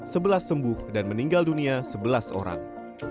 sebelas sembuh dan meninggal dunia sebelas orang